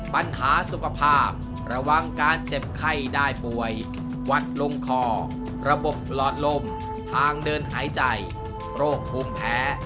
ปัญหาสุขภาพระวังการเจ็บไข้ได้ป่วยวัดลงคอระบบหลอดลมทางเดินหายใจโรคภูมิแพ้